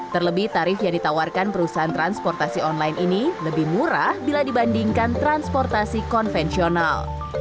terlebih tarif yang ditawarkan perusahaan transportasi online ini lebih murah bila dibandingkan transportasi konvensional